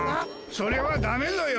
それはダメぞよ。